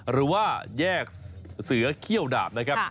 หรือว่าแยกเสือเขี้ยวดาบนะครับ